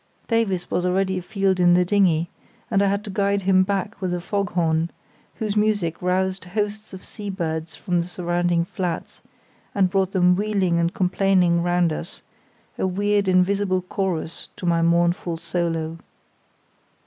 Davies was already afield in the dinghy, and I had to guide him back with a foghorn, whose music roused hosts of sea birds from the surrounding flats, and brought them wheeling and complaining round us, a weird invisible chorus to my mournful solo.